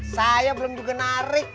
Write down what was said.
saya belum juga narik